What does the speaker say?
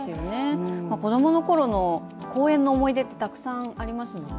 子供のころの公園の思い出ってたくさんありますもんね。